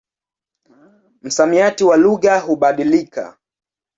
Msamiati wa lugha hubadilika.